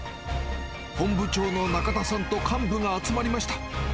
本部長の中田さんと幹部が集まりました。